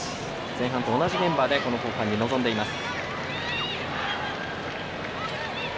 前半と同じメンバーで後半に臨んでいます。